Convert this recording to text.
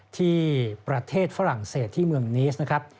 ที่ประเทศฝรั่งเศสที่เมืองนิสนะครับ